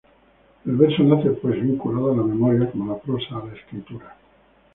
El verso nace pues vinculado a la memoria como la prosa a la escritura.